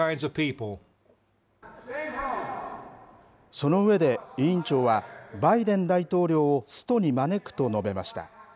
その上で委員長は、バイデン大統領をストに招くと述べました。